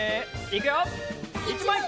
いくよ！